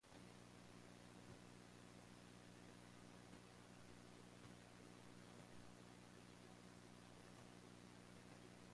After Ad's death, his sons Shadid and Shedad reigned in succession over the Adites.